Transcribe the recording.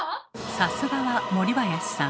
さすがは森林さん。